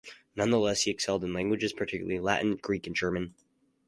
Nonetheless, he excelled in languages, particularly Latin, Greek and German.